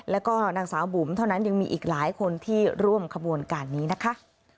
แล้วก็นางสาวบุ๋มเท่านั้นยังมีอีกหลายคนที่ร่วมขบวนการนี้นะคะ